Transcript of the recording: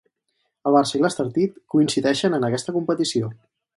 El Barça i l'Estartit coincideixen en aquesta competició.